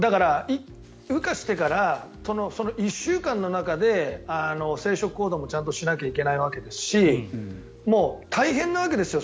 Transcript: だから、羽化してから１週間の中で生殖行動もちゃんとしないといけないわけですし大変なわけですよ